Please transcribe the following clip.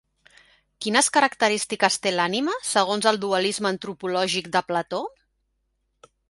Quines característiques té l'ànima, segons el dualisme antropològic de Plató?